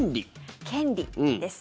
権利です。